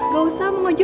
gak usah bang ojo